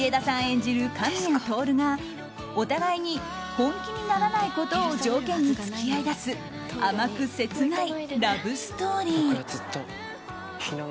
演じる神谷透がお互いに本気にならないことを条件に付き合いだす甘く切ないラブストーリー。